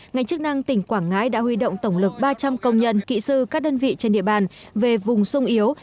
ngành chức năng tỉnh quảng ngãi đã huy động tổng lực ba trăm linh công nhân kỹ sư các đơn vị trên địa bàn về vùng sung yếu